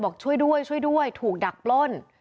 บอกช่วยด้วยช่วยด้วยถูกดักปล้น